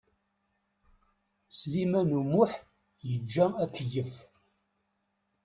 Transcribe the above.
Sliman U Muḥ yeǧǧa akeyyef.